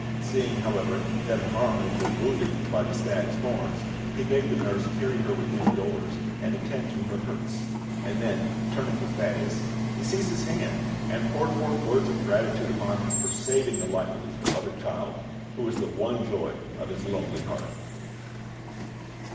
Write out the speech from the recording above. Seeing, however, that her arm had been wounded by the stag's horns, he bade the nurse carry her within doors, and attend to her hurts; and then, turning to Thaddeus, he seized his hand, and poured forth words of gratitude upon him for saving the life of his beloved child, who was the one joy of his lonely heart.